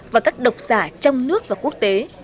và các độc giả trong nước và quốc tế